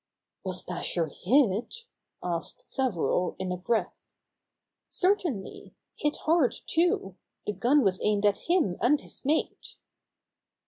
"Was Dasher hit?" asked several in a breath. "Certainly — hit hard too. The gun was aimed at him and his mate."